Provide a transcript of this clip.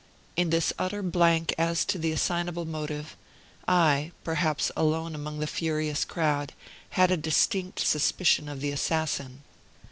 In this utter blank as to the assignable motive, I, perhaps alone among the furious crowd, had a distinct suspicion of the assassin.